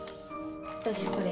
私これ。